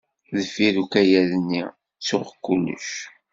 Deffir ukayad-nni, ttuɣ kullec.